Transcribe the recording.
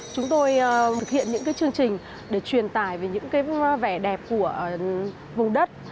chúng tôi thực hiện những chương trình để truyền tải về những vẻ đẹp của vùng đất